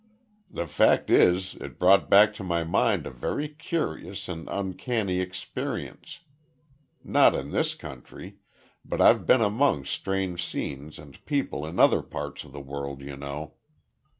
"The fact is it brought back to my mind a very curious and uncanny experience not in this country, but I've been among strange scenes and people in other parts of the world, you know.